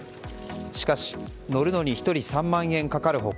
しかし、乗るのに１人３万円かかる他